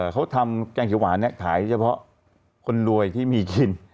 เขาทำแกงเขียวหวานขายเฉพาะคนรวยที่มีกิน